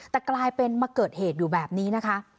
แต่กลายเป็นมาเกิดเหตุอยู่แบบนี้นะคะ